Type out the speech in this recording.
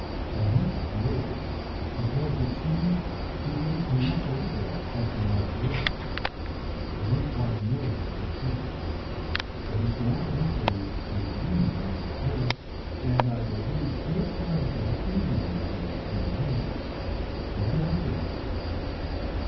And he s furious, because it seems she gave him a photograph something like yours. I don t quite know what he thinks, but he s more angry with you than with her, and I believe he ll try to get even with you in some way . Look out for him